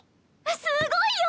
すごいよ！